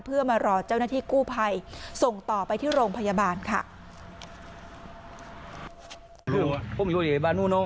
เพื่อมารอเจ้าหน้าที่กู้ภัยส่งต่อไปที่โรงพยาบาลค่ะ